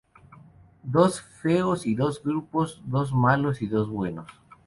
Dos "feos" y dos "guapos", dos malos y dos buenos.